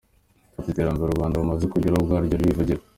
Ati “Iterambere u Rwanda rumaze kugeraho ubwaryo ririvugira.